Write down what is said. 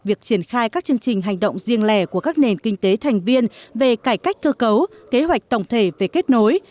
báo cáo tình hình kinh tế thành viên về cải cách cơ cấu kế hoạch tổng thể về kết nối